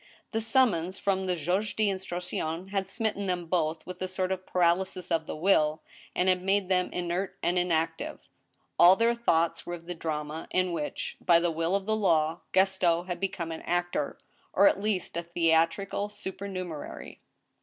The summons from i^aitjuge d* instruction had smitten them both with a sort of paralysis of the will, and had made them inert and inactive ; all their thoughts were of the drama in which, by the will of the law, Gaston had become an actor, or at least a theatrical supernumerary.